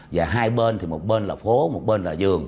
và hai bên thì một bên là phố một bên là giường